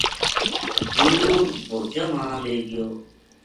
دُور بھُرجاں ما لے گیو